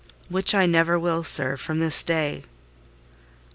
"Which I never will, sir, from this day."